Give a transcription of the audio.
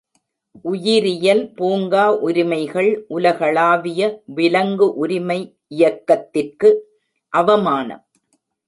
உயிரியல் பூங்கா உரிமைகள் உலகளாவிய விலங்கு உரிமை இயக்கத்திற்கு அவமானம்.